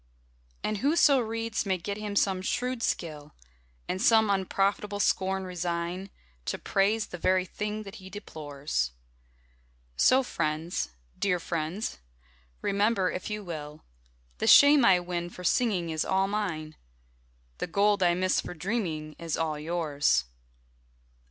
And whoso reads may get him some shrewd skill; And some unprofitable scorn resign, To praise the very thing that he deplores; So, friends (dear friends), remember, if you will, The shame I win for singing is all mine, The gold I miss for dreaming is all yours.